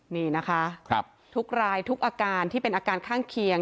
นี่นะคะทุกรายทุกอาการที่เป็นอาการข้างเคียง